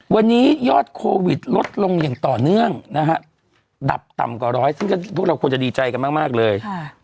วันนี้ยอดโควิดลดลงอย่างต่อเนื่องนะฮะดับต่ำกว่าร้อยซึ่งก็พวกเราควรจะดีใจกันมากเลย